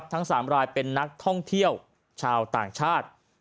ทั้ง๓รายเป็นนักท่องเที่ยวชาวต่างชาติ